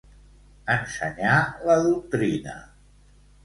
Ensenyar la doctrina.